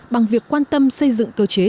bằng việc quan tâm xây dựng cơ chế